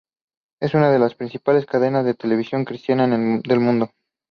Es una de las principales cadenas de televisión cristiana del Mundo.